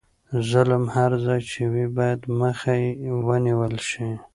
ظلم هر ځای چې وي باید مخه یې ونیول شي.